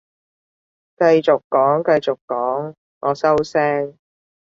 繼續講繼續講，我收聲